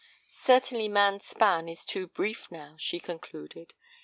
"Certainly, man's span is too brief now," she concluded.